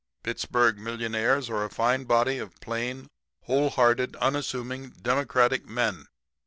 Pittsburg millionaires are a fine body of plain, wholehearted, unassuming, democratic men.